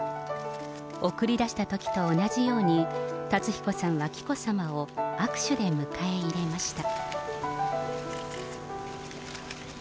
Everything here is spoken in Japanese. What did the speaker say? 送り出したときと同じように、辰彦さんは紀子さまを握手で迎え入れました。